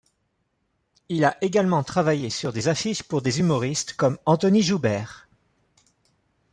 Il a également travaillé sur des affiches pour des humoristes comme Anthony Joubert.